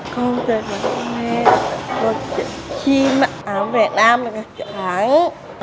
con thích học vẽ dân rất thích vẽ gà trống nhiều hơn